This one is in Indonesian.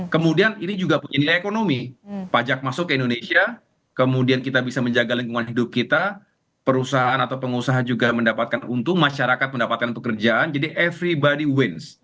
kemudian ini juga punya nilai ekonomi pajak masuk ke indonesia kemudian kita bisa menjaga lingkungan hidup kita perusahaan atau pengusaha juga mendapatkan untung masyarakat mendapatkan pekerjaan jadi every body winds